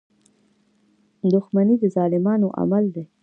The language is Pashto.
• دښمني د ظالمانو عمل دی.